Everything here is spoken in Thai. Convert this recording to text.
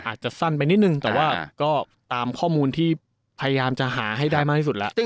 อาจจะสั้นไปนิดนึงแต่ว่าก็ตามข้อมูลที่พยายามจะหาให้ได้มากที่สุดแล้ว